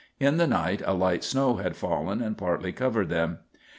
In the night a light snow had fallen and partly covered them.